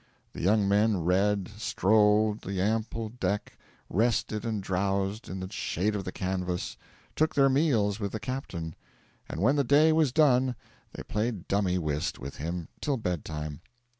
The young men read, strolled the ample deck, rested and drowsed in the shade of the canvas, took their meals with the captain; and when the day was done they played dummy whist with him till bed time.